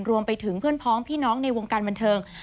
รวมไปถึงเพื่อนพ้องพี่น้องในวงการบันเทิง